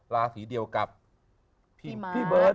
ราศีเดียวกับทีมพี่เบิร์ต